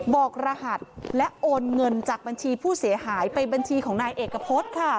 กรหัสและโอนเงินจากบัญชีผู้เสียหายไปบัญชีของนายเอกพฤษค่ะ